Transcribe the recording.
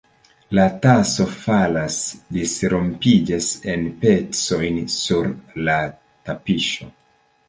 La taso falas, disrompiĝas en pecojn sur la tapiŝo.